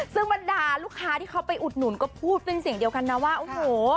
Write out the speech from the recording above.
ซึ่งบรรดาลูกค้าที่เขาไปอุดหนุนก็พูดเป็นเสียงเดียวกันนะว่าโอ้โห